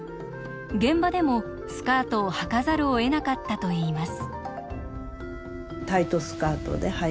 現場でもスカートをはかざるをえなかったといいます。